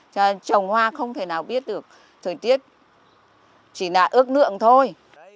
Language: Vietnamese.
cho nên trồng hoa không thể nào biết được thời tiết chỉ là ước lượng thôi